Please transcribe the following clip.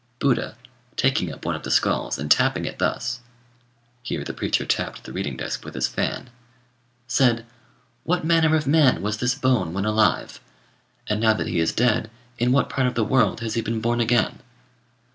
Buddha, taking up one of the skulls and tapping it thus" (here the preacher tapped the reading desk with his fan), "said, 'What manner of man was this bone when alive? and, now that he is dead, in what part of the world has he been born again?'